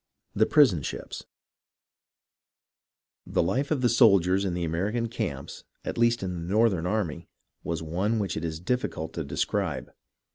THE PRISON SHIPS The life of the soldiers in the American camps, at least in the northern army, was one which it is difficult to describe.